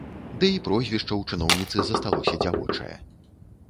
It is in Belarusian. Ды і прозвішча ў чыноўніцы засталося дзявочае.